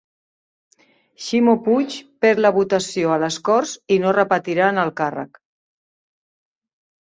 Ximo Puig perd la votació a les Corts i no repetirà en el càrrec